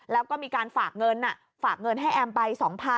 แล้วก็มีการฝากเงินฝากเงินให้แอมไป๒๐๐๐